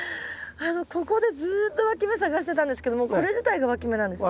ここでずっとわき芽探してたんですけどもうこれ自体がわき芽なんですか？